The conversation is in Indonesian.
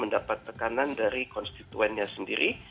mendapat tekanan dari konstituennya sendiri